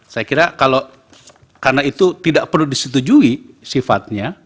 saya kira karena itu tidak perlu disetujui sifatnya